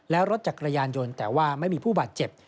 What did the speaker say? และรถจักรยานยนต์แต่ว่าไม่มีผู้บาดเจ็บ